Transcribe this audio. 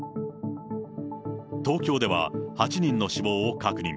東京では８人の死亡を確認。